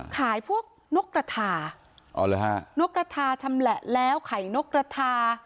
ขายพวกนกกระทาอ๋อเหรอฮะนกกระทาชำแหละแล้วไข่นกกระทา